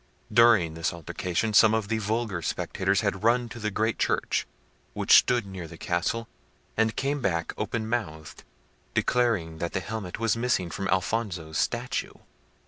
During this altercation, some of the vulgar spectators had run to the great church, which stood near the castle, and came back open mouthed, declaring that the helmet was missing from Alfonso's statue.